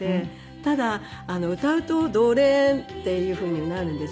ただ歌うと「ドレ」っていうふうになるんです。